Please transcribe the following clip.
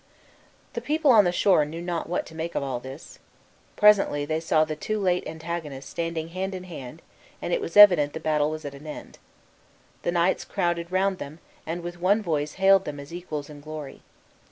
The people on the shore knew not what to make of all this. Presently they saw the two late antagonists standing hand in hand, and it was evident the battle was at an end. The knights crowded round them, and with one voice hailed them as equals in glory.